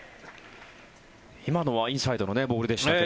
今のはインサイドのボールでしたけど。